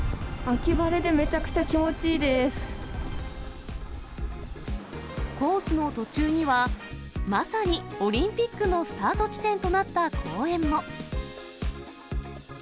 秋晴れでめちゃくちゃ気持ちいいコースの途中には、まさにオリンピックのスタート地点となった公園も。